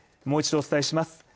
もう一度お伝えします